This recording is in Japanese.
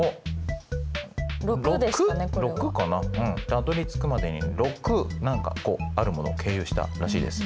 たどりつくまでに６何かあるものを経由したらしいです。